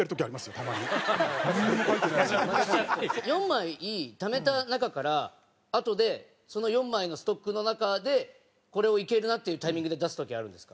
４枚ためた中からあとでその４枚のストックの中でこれをいけるなっていうタイミングで出す時あるんですか。